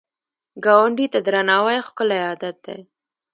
ګاونډي ته درناوی ښکلی عادت دی